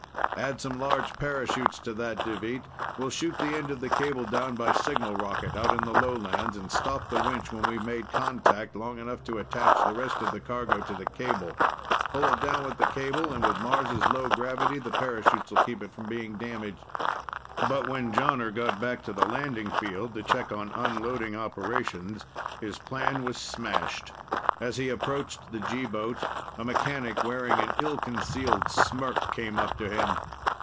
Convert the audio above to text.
Add some large parachutes to that, Deveet. We'll shoot the end of the cable down by signal rocket, out in the lowlands, and stop the winch when we've made contact, long enough to attach the rest of the cargo to the cable. Pull it down with the cable and, with Mars' low gravity, the parachutes will keep it from being damaged." But when Jonner got back to the landing field to check on unloading operations, his plan was smashed. As he approached the G boat, a mechanic wearing an ill concealed smirk came up to him.